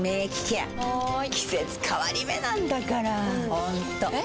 ホントえ？